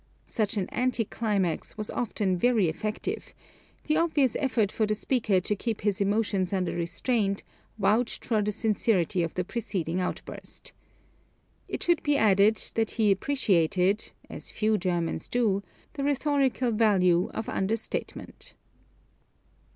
Such an anti climax was often very effective: the obvious effort of the speaker to keep his emotions under restraint vouched for the sincerity of the preceding outburst. It should be added that he appreciated as few Germans do the rhetorical value of understatement.